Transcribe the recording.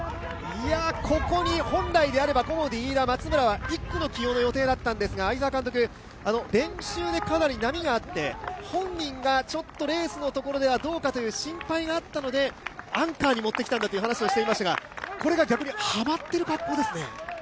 ここに本来であればコモディイイダ・松村は１区の起用の予定だったんですが会沢監督、練習でかなり波があって本人がちょっとレースのところではどうかという心配があったのでアンカーに持ってきたんだという話をしていきましたがこれが逆にハマっている格好ですね。